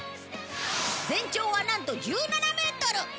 全長はなんと１７メートル！